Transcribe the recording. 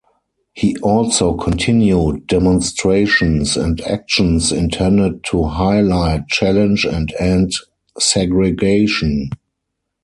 He also continued demonstrations and actions intended to highlight, challenge and end segregation.